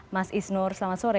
mas isnur selamat sore